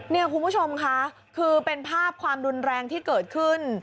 นี่คุณผู้ชมค่ะคือเป็นภาพความรุนแรงที่เกิดขึ้น